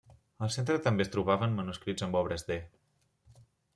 Al Centre també es trobaven manuscrits amb obres d’E.